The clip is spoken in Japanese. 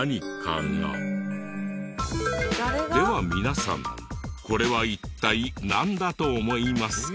では皆さんこれは一体なんだと思いますか？